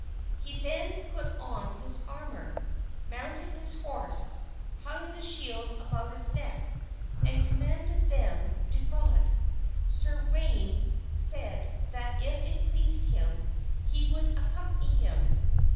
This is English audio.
He then put on his armor, mounted his horse, hung the shield about his neck and commended them to God. Sir Uwaine said that if it pleased him he would accompany him.